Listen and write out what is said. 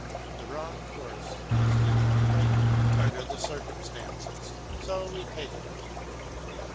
The wrong course is the only right one under the circumstances, so we take it.